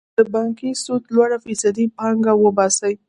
د بانکي سود لوړه فیصدي پانګه وباسي.